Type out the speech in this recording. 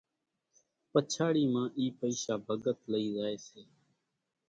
پچاڙِي مان اِي پئيشا ڀڳت لئِي زائيَ سي۔